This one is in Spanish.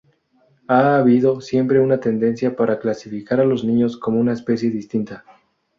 Ha habido siempre una tendencia para clasificar a los niños como una especie distinta.